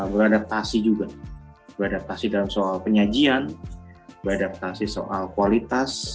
beradaptasi juga beradaptasi dalam soal penyajian beradaptasi soal kualitas